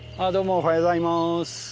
おはようございます。